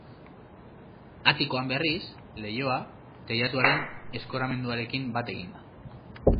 Atikoan, berriz, leihoa, teilatuaren eskoramenduarekin bat eginda.